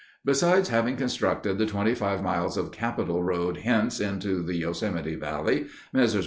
Besides having constructed the twenty five miles of capital road hence into the Yosemite Valley, Messrs.